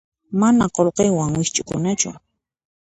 Mana qullqiwan wikch'ukunachu.